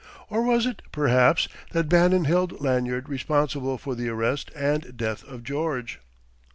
Or was it, perhaps, that Bannon held Lanyard responsible for the arrest and death of Greggs?